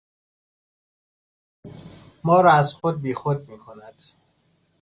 شعر او ما را از خود بی خود میکند.